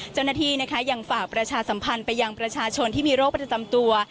เจ้าหน้าที่นะคะยังฝากประชาสัมพันธ์ไปยังประชาชนที่มีโรคประจำตัว